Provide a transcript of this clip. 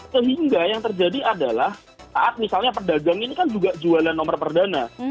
sehingga yang terjadi adalah saat misalnya perdagang ini kan juga jualan nomor perdana